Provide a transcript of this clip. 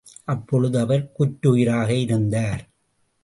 அப்பொழுது அவர் குற்றுயிராக இருந்தார்.